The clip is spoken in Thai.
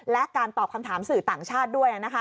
และการตอบคำถามสื่อต่างชาติด้วย